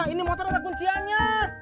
ini motor ada kunciannya